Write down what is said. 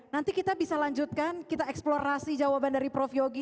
nanti kita bisa lanjutkan kita eksplorasi jawaban dari prof yogi